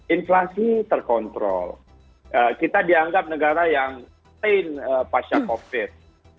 inflasi terkontrol kita dianggap negara yang lain pasca covid